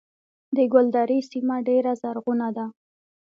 د ګلدرې سیمه ډیره زرغونه ده